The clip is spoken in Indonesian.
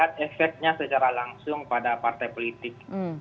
saya tidak melihat efeknya secara langsung pada partai politik